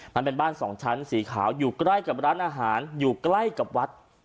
มันเป็นบ้านสองชั้นสีขาวอยู่ใกล้กับร้านอาหารอยู่ใกล้กับวัด